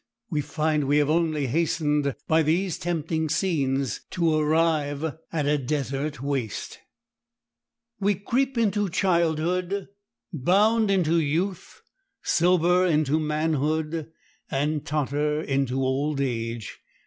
we find we have only hastened by these tempting scenes to arrive at a desert waste. We creep into childhood, bound into youth, sober into manhood, and totter into old age.